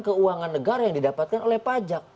keuangan negara yang didapatkan oleh pajak